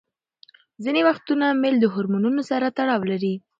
ځینې وختونه میل د هورمونونو سره تړاو نلري.